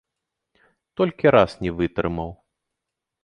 Толькі раз не вытрымаў.